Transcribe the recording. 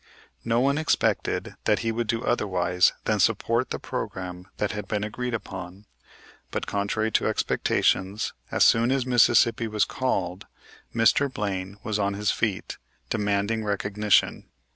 No one expected that he would do otherwise than support the program that had been agreed upon, but, contrary to expectations, as soon as Mississippi was called Mr. Blaine was on his feet, demanding recognition.